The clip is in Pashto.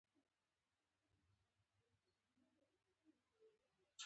د فبرورۍ پر پنځمه یې له سر لیویس پیلي څخه پوښتنه وکړه.